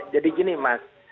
jadi gini mas